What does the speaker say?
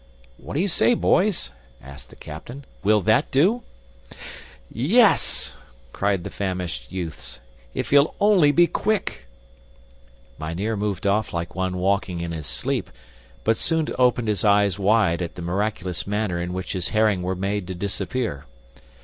"What do you say, boys?" asked the captain. "Will that do?" "Yes," cried the famished youths, "if he'll only be quick." Mynheer moved off like one walking in his sleep, but soon opened his eyes wide at the miraculous manner in which his herring were made to disappear.